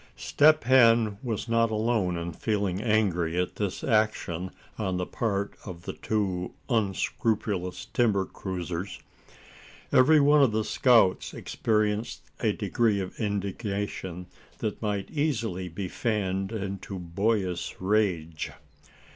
Step Hen was not alone in feeling angry at this action on the part of the two unscrupulous timber cruisers. Every one of the scouts experienced a degree of indignation that might easily be fanned into boyish rage.